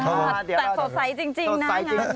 แต่สดใสจริงน่ารัก